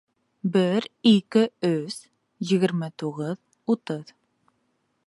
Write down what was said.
Бер, ике, өс... егерме туғыҙ, утыҙ.